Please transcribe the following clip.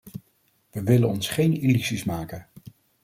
We willen ons geen illusies maken.